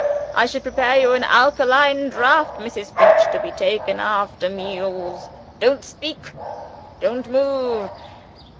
I shall prepare you an alkaline draught, Mrs. Finch, to be taken after meals. Don't speak; don't move!